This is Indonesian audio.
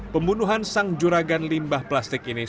pembunuhan sang juragan limbah plastik ini